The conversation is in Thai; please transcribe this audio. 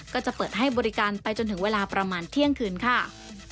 ก็จะเปิดให้บริการไปจนถึงเวลาประมาณเที่ยงคืนค่ะ